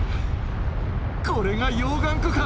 これが溶岩湖か！